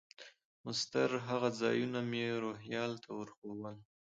مسطر هغه ځایونه مې روهیال ته ور وښوول.